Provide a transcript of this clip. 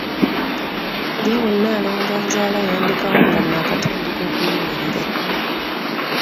Nnyabo nnaalongo anzaala yandekawo nga n'akatandika okuyimirira.